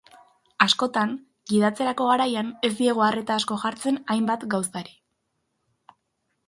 Askotan, gidatzerako garaian, ez diegu arreta asko jartzen hainbat gauzari.